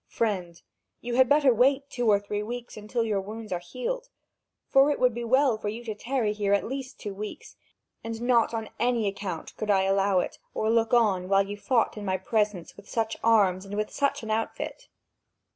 "Friend, you had better wait two or three weeks until your wounds are healed, for it would be well for you to tarry here at least two weeks, and not on any account could I allow it, or look on, while you fought in my presence with such arms and with such an outfit."